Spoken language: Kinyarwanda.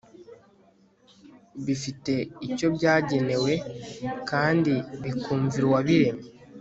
bifite icyo byagenewe kandi bikumvira uwabiremye